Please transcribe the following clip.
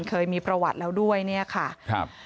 เคยมีประวัติแล้วด้วยเนี่ยค่ะครับ